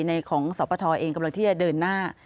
ในของสปทเองกำลังที่จะเดินหน้า